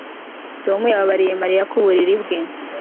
Tom yababariye Mariya ku buriri bwe